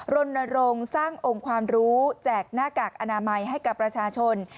รณรงค์สร้างองค์ความรู้แจกหน้ากากอนามัยให้กับประชาชน